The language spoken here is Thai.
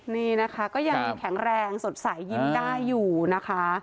นี่นะคะก็ยังแข็งแรงสดใสยิ้มได้อยู่นะคะ